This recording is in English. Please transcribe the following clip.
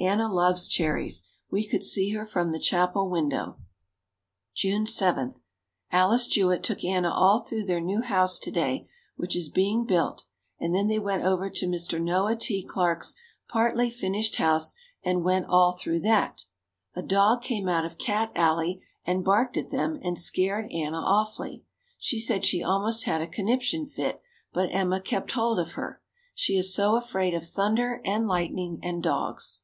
Anna loves cherries. We could see her from the chapel window. June 7. Alice Jewett took Anna all through their new house to day which is being built and then they went over to Mr. Noah T. Clarke's partly finished house and went all through that. A dog came out of Cat Alley and barked at them and scared Anna awfully. She said she almost had a conniption fit but Emma kept hold of her. She is so afraid of thunder and lightning and dogs.